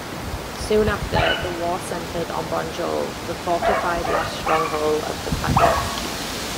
Soon after, the war centred on Bonjol, the fortified last stronghold of the Padris.